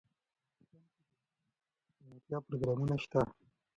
افغانستان کې د ښتې لپاره دپرمختیا پروګرامونه شته.